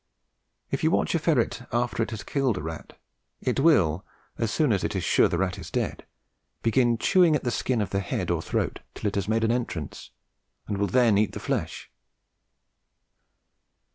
If you watch a ferret after it has killed a rat, it will, as soon as it is sure the rat is dead, begin chewing at the skin of the head or throat till it has made an entrance, and will then eat the flesh.